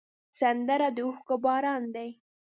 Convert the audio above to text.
سندره د اوښکو باران ده